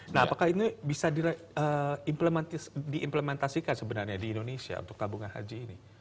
nah apakah ini bisa diimplementasikan sebenarnya di indonesia untuk tabungan haji ini